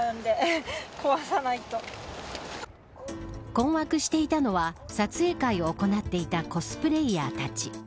困惑していたのは撮影会を行っていたコスプレーヤーたち。